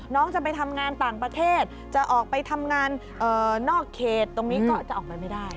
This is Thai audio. จะไปทำงานต่างประเทศจะออกไปทำงานนอกเขตตรงนี้ก็จะออกไปไม่ได้